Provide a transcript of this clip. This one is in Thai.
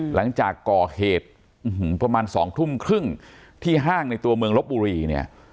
หลังจากก่อเหตุประมาณ๒ทุ่มครึ่งที่ห้างในตัวเมืองลบบุรีเนี่ย